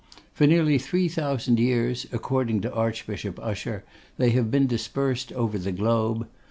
For nearly three thousand years, according to Archbishop Usher, they have been dispersed over the globe.